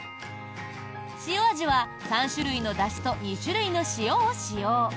塩味は、３種類のだしと２種類の塩を使用。